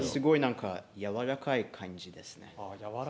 やわらかい感じですね。